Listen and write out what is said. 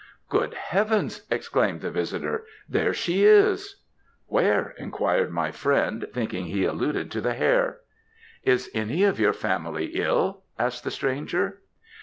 "'Good Heavens!' exclaimed the visitor, 'there she is!' "'Where?' enquired my friend, thinking he alluded to the hare. "'Is any of your family ill?' asked the stranger.